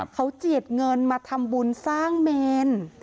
เขาเจียดเงินมาทำบุญสร้างเมน